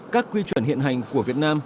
các quy chuẩn hiện hành của việt nam